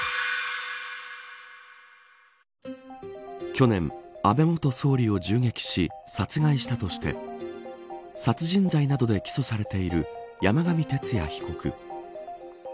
去年、安倍元総理を銃撃し殺害したとして殺人罪などで起訴されている山上徹也被告。